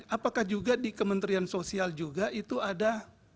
apakah juga di kementerian sosial juga itu ada